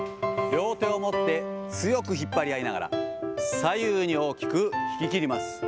両手を持って強く引っ張り合いながら、左右に大きく引き切ります。